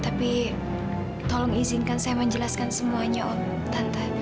tapi tolong izinkan saya menjelaskan semuanya tante